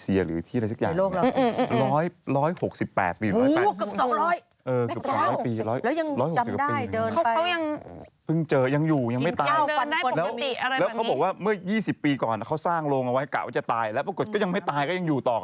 ไม่รู้เลยมันไม่น่าจะอยู่เฉยมันน่าจะงับ